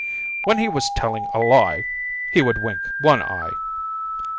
When he was telling a lie, he would wink one eye.